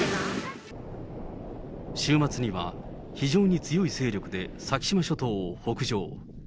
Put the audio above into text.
週末には非常に強い勢力で先島諸島を北上。